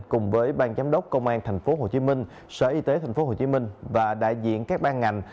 cùng với bang giám đốc công an tp hcm sở y tế tp hcm và đại diện các ban ngành